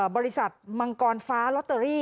บริษัทมังกรฟ้าลอตเตอรี่